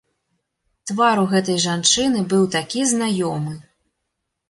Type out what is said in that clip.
Твар у гэтай жанчыны быў такі знаёмы!